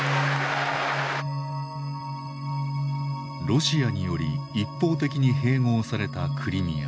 ロシアにより一方的に併合されたクリミア。